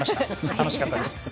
楽しかったです。